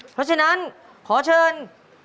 เพราะฉะนั้นขอเชิญ